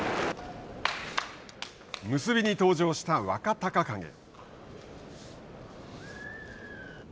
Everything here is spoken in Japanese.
結びに登場した若隆景。